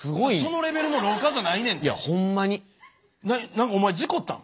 何かお前事故ったの？